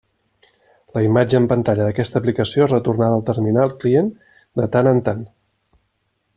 La imatge en pantalla d'aquesta aplicació és retornada al terminal client de tant en tant.